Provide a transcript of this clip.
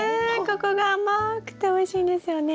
ここが甘くておいしいんですよね。